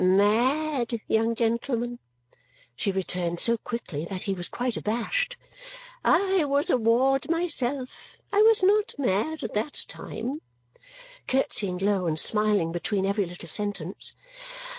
Mad, young gentleman," she returned so quickly that he was quite abashed. "I was a ward myself. I was not mad at that time," curtsying low and smiling between every little sentence.